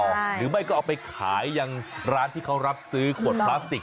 หรือไม่ก็เอาไปขายยังร้านที่เขารับซื้อขวดพลาสติก